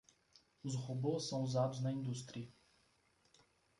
Os robôs são usados na indústria